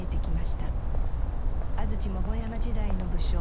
安土桃山時代の武将